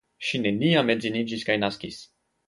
Ŝi neniam edziniĝis kaj naskis.